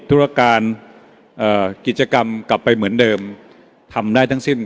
ธุรการกิจกรรมกลับไปเหมือนเดิมทำได้ทั้งสิ้น